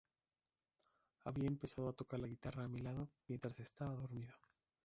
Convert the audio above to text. Había empezado a tocar la guitarra a mi lado mientras estaba dormido.